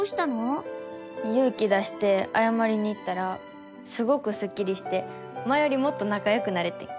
ゆうき出してあやまりに行ったらすごくすっきりして前よりもっとなかよくなれてん。